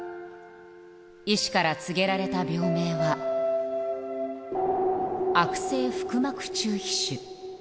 医師から告げられた病名は、悪性腹膜中皮腫。